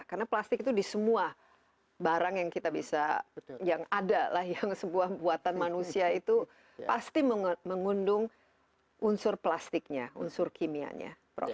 karena plastik itu di semua barang yang ada lah yang sebuah buatan manusia itu pasti mengundung unsur plastiknya unsur kimianya